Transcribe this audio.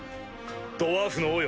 ドワーフの王よ